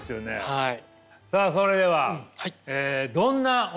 はい。